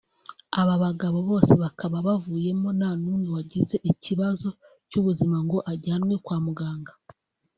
Aba bagabo bose bakaba bavuyemo nta numwe wagize ikibazo cy’ubuzima ngo ajyanwe kwa Muganga